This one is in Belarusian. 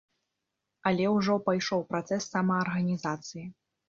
Але ўжо пайшоў працэс самаарганізацыі.